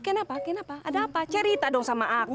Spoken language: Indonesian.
kenapa kenapa ada apa cerita dong sama aku